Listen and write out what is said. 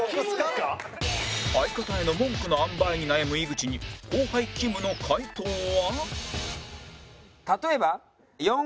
相方への文句の塩梅に悩む井口に後輩きむの回答は？